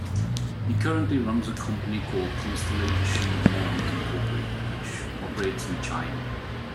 He currently runs a company called Constellation Monde Incorporated which operates in China.